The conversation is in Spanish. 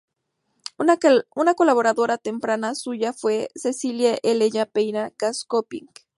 Una colaboradora temprana suya fue Cecilia Helena Payne-Gaposchkin.